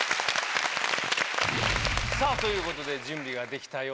さぁということで準備ができたようです。